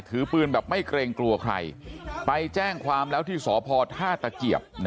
ถือปืนแบบไม่เกรงกลัวใครไปแจ้งความแล้วที่สพท่าตะเกียบ